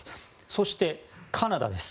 そして、カナダです。